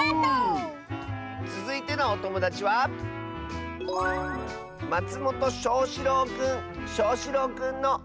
つづいてのおともだちはしょうしろうくんの。